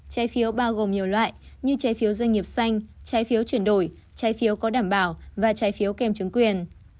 trái phiếu bao gồm nhiều loại như trái phiếu doanh nghiệp xanh trái phiếu chuyển đổi trái phiếu có đảm bảo và trái phiếu kèm chứng quyền